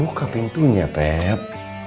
buka pintunya peb